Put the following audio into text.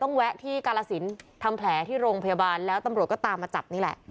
ต้องแวะที่กาลสินฯทำแผลที่โรงพยาบาลแล้วตำรวจก็ตามมาจับ